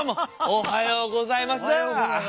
おはようございます。